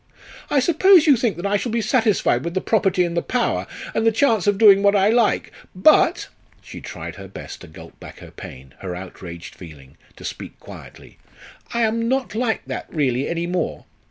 I suppose you think that I shall be satisfied with the property and the power, and the chance of doing what I like. But" she tried her best to gulp back her pain, her outraged feeling, to speak quietly "I am not like that really any more.